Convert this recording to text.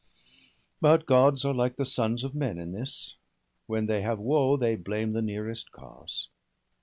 But Gods are Hke the sons of men in this — When they have woe, they blame the nearest cause.